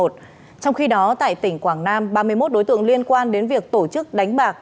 trong khi đó tại tỉnh quảng nam ba mươi một đối tượng liên quan đến việc tổ chức đánh bạc